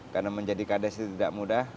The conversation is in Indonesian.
karena menjadi kardes itu tidak mudah